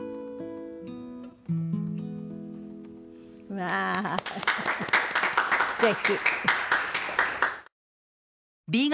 わあーすてき。